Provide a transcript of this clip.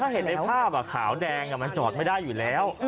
เห็นในภาพขาวแดงมันจอดไม่ได้อยู่แล้ว